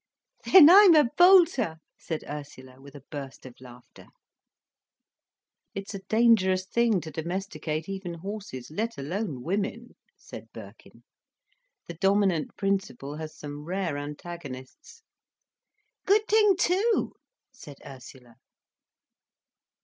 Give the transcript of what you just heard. "Then I'm a bolter," said Ursula, with a burst of laughter. "It's a dangerous thing to domesticate even horses, let alone women," said Birkin. "The dominant principle has some rare antagonists." "Good thing too," said Ursula.